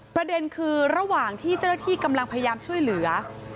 ประเด็นคือระหว่างที่เจ้าหน้าที่กำลังพยายามช่วยเหลือ